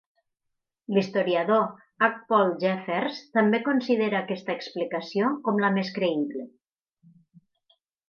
L'historiador H. Paul Jeffers també considera aquesta explicació com la més creïble.